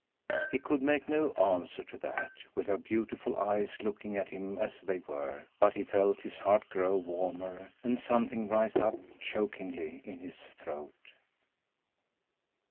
He could make no answer to that, with her beautiful eyes looking at him as they were, but he felt his heart grow warmer and something rise up chokingly in his throat.